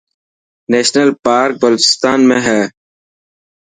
نيشنل پارڪ بلوچستان ۾ هي.